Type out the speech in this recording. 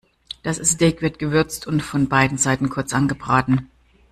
Das Steak wird gewürzt und von beiden Seiten kurz angebraten.